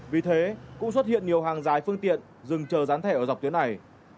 vì thế cũng xuất hiện nhiều hàng dài phương tiện dừng chờ gián thẻ ở dọc tuyến này